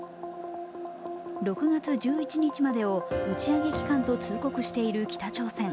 ６月１１日までを打ち上げ期間と通告している北朝鮮。